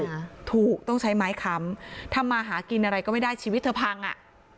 ถูกต้องใช้ไม้ค้ำทำมาหากินอะไรก็ไม่ได้ชีวิตเธอพังอ่ะ